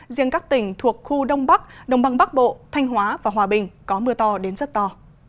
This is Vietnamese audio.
riêng các tỉnh thuộc khu đông bắc đồng bằng bắc bộ thanh hóa và hòa bình có mưa to đến rất to